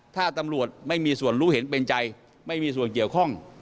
ถ้าตำรวจไม่มีส่วนรู้เห็นเป็นใจไม่มีส่วนเกี่ยวข้อง